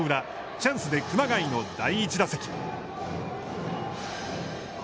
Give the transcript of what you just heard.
チャンスで熊谷の第１打席。